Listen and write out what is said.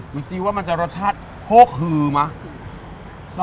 ดูสิว่ามันจะรสชาติโฮกฮือไหม